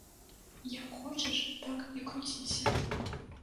Як хочаш, так і круціся.